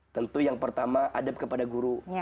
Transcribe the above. tentu yang pertama adab kepada guru